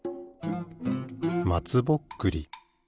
まつぼっくり。